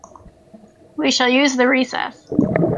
We shall use the recess.